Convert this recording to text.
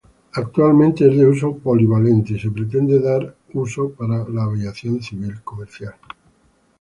Actualmente es de uso polivalente y se pretende darle uso para aviación civil comercial.